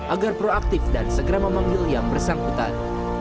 agar proaktif dan segera memanggil yang bersangkutan